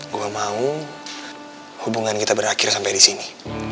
gue mau hubungan kita berakhir sampai disini